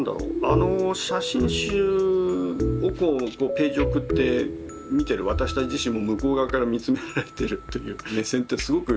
あの写真集をページを送って見てる私たち自身も向こう側から見つめられてるという目線ってすごく力が強くって。